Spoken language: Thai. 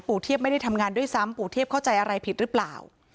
เทียบไม่ได้ทำงานด้วยซ้ำปู่เทียบเข้าใจอะไรผิดหรือเปล่า